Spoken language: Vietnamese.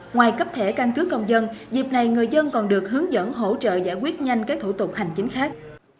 ngoài cấp thẻ căn cứ công dân dịp này người dân còn được hướng dẫn hỗ trợ giải quyết nhanh các thủ tục hành chính khác